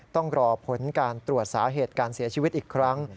ต้องรอผลการตรวจสาเหตุการเสียชีวิตอีกครั้ง